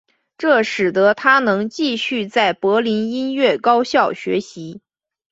这使得他能继续在柏林音乐高校学习。